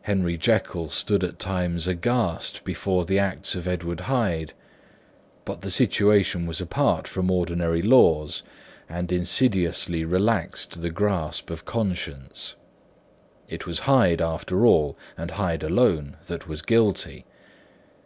Henry Jekyll stood at times aghast before the acts of Edward Hyde; but the situation was apart from ordinary laws, and insidiously relaxed the grasp of conscience. It was Hyde, after all, and Hyde alone, that was guilty.